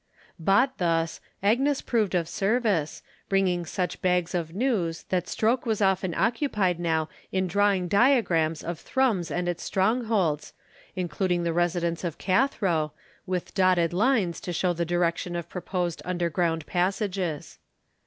Bought thus, Agnes proved of service, bringing such bags of news that Stroke was often occupied now in drawing diagrams of Thrums and its strongholds, including the residence of Cathro, with dotted lines to show the direction of proposed underground passages.